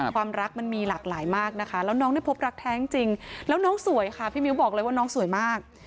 ความรักมันมีหลากหลายมากนะคะแล้วน้องได้พบรักแท้จริงแล้วน้องสวยค่ะพี่มิ้วบอกเลยว่าน้องสวยมาก